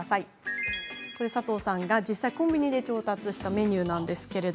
佐藤さんがコンビニで調達したメニューです。